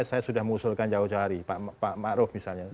saya sudah mengusulkan jawa johari pak ma'ruf misalnya